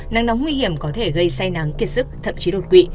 nắng nóng nguy hiểm có thể gây say nắng kiệt sức thậm chí đột quỵ